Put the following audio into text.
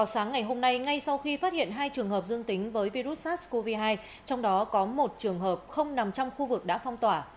sáng ngày hôm nay ngay sau khi phát hiện hai trường hợp dương tính với virus sars cov hai trong đó có một trường hợp không nằm trong khu vực đã phong tỏa